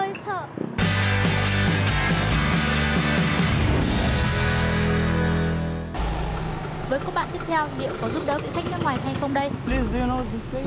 nghiệu có giúp đỡ vị khách nước ngoài hay không đây